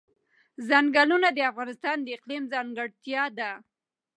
ځنګلونه د افغانستان د اقلیم ځانګړتیا ده.